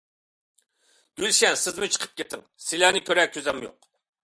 گۈلشەن:-سىزمۇ چىقىپ كېتىڭ سىلەرنى كۆرە كۆزۈم يوق.